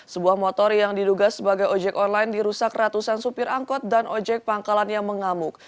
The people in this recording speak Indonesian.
sebuah motor yang diduga sebagai ojek online dirusak ratusan supir angkot dan ojek pangkalan yang mengamuk